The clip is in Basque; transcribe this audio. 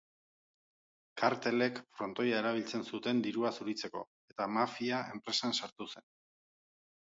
Kartelek frontoia erabiltzen zuten dirua zuritzeko, eta mafia enpresan sartu zen.